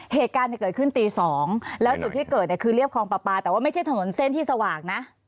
เหตุการณ์เกิดขึ้นตี๒แล้วจุดที่เกิดเนี่ยคือเรียบคลองปลาปลาแต่ว่าไม่ใช่ถนนเส้นที่สว่างนะ